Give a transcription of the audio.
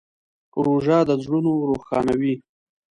روژه د زړونو روښانوي.